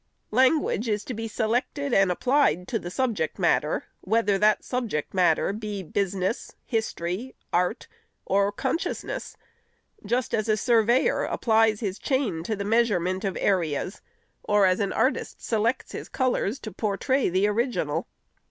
Language is to be selected and applied to the subject matter, whether that subject matter be business, history, art or consciousness, just as a surveyor applies his chain to the measurement of areas, or as an artist selects his colors to portray the original.